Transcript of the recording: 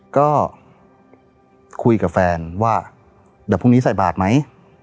ก็คุยกับแฟนว่าเดี๋ยวพรุ่งนี้ใส่บาทไหม